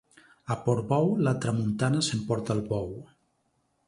A Portbou, la tramuntana s'emporta el bou.